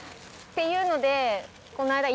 っていうので。